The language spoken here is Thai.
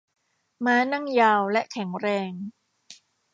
ม้านั่งยาวและแข็งแรง